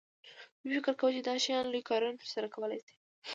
دوی فکر کاوه چې دا شیان لوی کارونه ترسره کولی شي